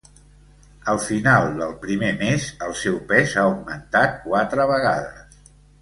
Al final del primer mes, el seu pes ha augmentat quatre vegades.